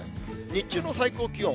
日中の最高気温。